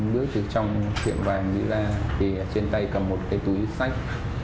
bước từ trong tiệm vàng như ra trên tay cầm một cái túi sách